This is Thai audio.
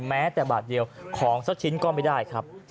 แม้แต่บาทเดียวของสักชิ้นก็ไม่ได้ครับ